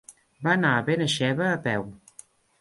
Va anar a Benaixeve a peu.